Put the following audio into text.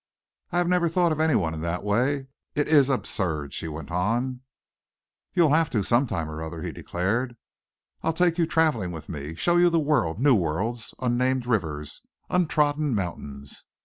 I have never thought of any one in that way. It is absurd," she went on. "You'll have to, sometime or other," he declared. "I'll take you travelling with me, show you the world, new worlds, unnamed rivers, untrodden mountains.